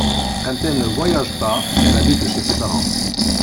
Quand elle ne voyage pas, elle habite chez ses parents.